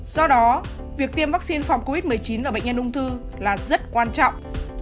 do đó việc tiêm vaccine phòng covid một mươi chín ở bệnh nhân ung thư là rất quan trọng